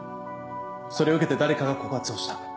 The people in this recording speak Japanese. それを受けて誰かが告発をした。